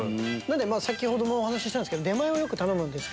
先ほどもお話したんすけど出前をよく頼むんです。